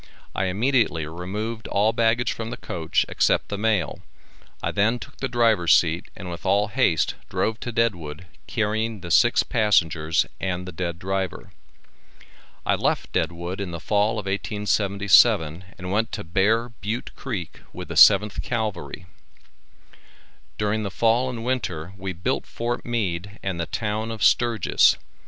I immediately removed all baggage from the coach except the mail. I then took the driver's seat and with all haste drove to Deadwood, carrying the six passengers and the dead driver. I left Deadwood in the fall of 1877, and went to Bear Butte Creek with the 7th Cavalry. During the fall and winter we built Fort Meade and the town of Sturgis.